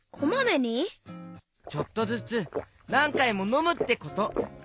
ちょっとずつなんかいものむってこと。